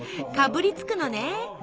かぶりつくのね？